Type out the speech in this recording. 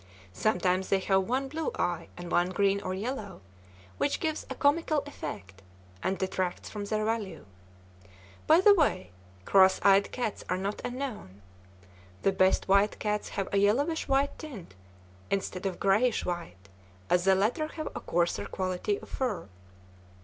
Sometimes they have one blue eye and one green or yellow, which gives a comical effect, and detracts from their value. By the way, cross eyed cats are not unknown. The best white cats have a yellowish white tint instead of grayish white, as the latter have a coarser quality of fur.